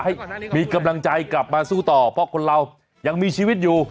ให้มีกำลังใจกลับมาสู้ต่อเพราะคนเรายังมีชีวิตอยู่